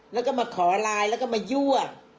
แล้วก็มาขอไลน์แล้วก็มายั่ว